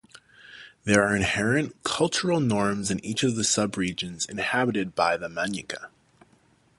There are inherent cultural norms in each of the sub-regions inhabited by the Manyika.